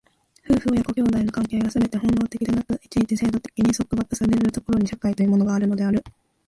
夫婦親子兄弟の関係がすべて本能的でなく、一々制度的に束縛せられる所に、社会というものがあるのである。